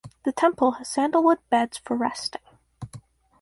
The temple has sandalwood beds for resting.